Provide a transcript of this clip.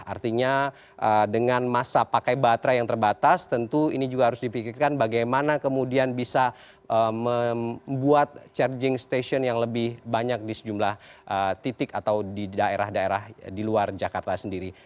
artinya dengan masa pakai baterai yang terbatas tentu ini juga harus dipikirkan bagaimana kemudian bisa membuat charging station yang lebih banyak di sejumlah titik atau di daerah daerah di luar jakarta sendiri